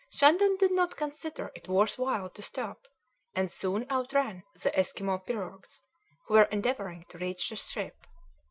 Shandon did not consider it worth while to stop, and soon outran the Esquimaux pirogues who were endeavouring to reach his ship.